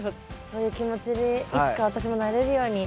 そういう気持ちにいつか私もなれるように。